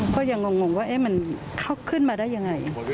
เพราะอย่างงงว่ามันเข้าขึ้นมาได้ยังไง